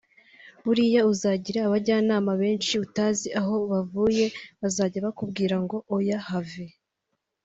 buriya uzagira abajyanama benshi utazi aho bavuye bazajya bakubwira ngo ’oya have